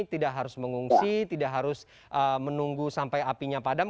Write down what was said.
tidak harus mengungsi tidak harus menunggu sampai apinya padam